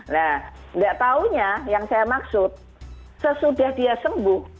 nah nggak tahunya yang saya maksud sesudah dia sembuh